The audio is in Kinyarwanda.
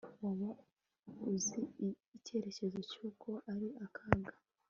waba uzi igitekerezo cyuko ari akaga